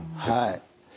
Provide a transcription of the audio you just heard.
はい。